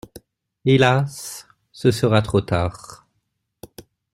Hélas ! ce sera trop tard.